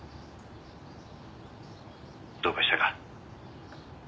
どうかしたか？